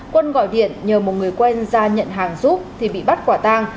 quân gọi điện nhờ một người quen ra nhận hàng giúp thì bị bắt quả tang